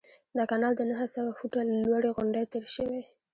دا کانال د نهه سوه فوټه لوړې غونډۍ تیر شوی.